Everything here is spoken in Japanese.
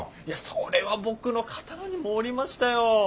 いやそれは僕の肩の荷も下りましたよ。